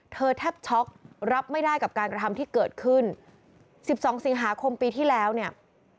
แทบช็อกรับไม่ได้กับการกระทำที่เกิดขึ้น๑๒สิงหาคมปีที่แล้วเนี่ย